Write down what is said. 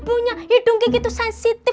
debunya hidung kiki tuh sensitif